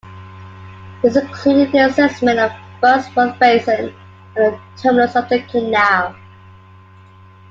This included an assessment of Bugsworth Basin, at the terminus of the canal.